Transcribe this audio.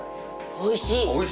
おいしい！